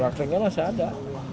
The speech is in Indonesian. praktiknya masih ada